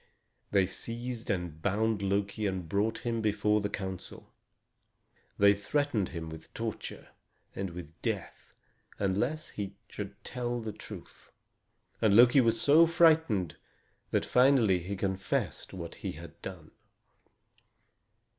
They seized and bound Loki and brought him before the council. They threatened him with torture and with death unless he should tell the truth. And Loki was so frightened that finally he confessed what he had done.